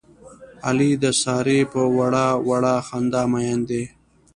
علي د سارې په وړه وړه خندا مین دی.